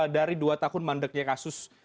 dari dua tahun mandeknya kasus